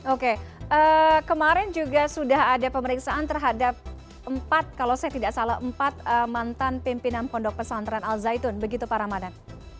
oke kemarin juga sudah ada pemeriksaan terhadap empat kalau saya tidak salah empat mantan pimpinan pondok pesantren al zaitun begitu pak ramadan